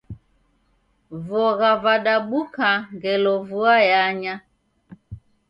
Vogha vadabuka ngelo vua yanya.